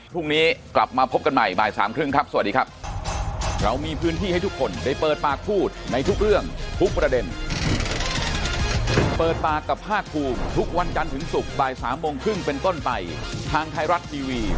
พรุ่งนี้กลับมาพบกันใหม่บ่ายสามครึ่งครับสวัสดีครับ